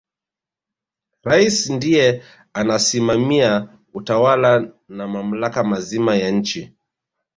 rais ndiye anasimamia utawala na mamlaka mazima ya nchi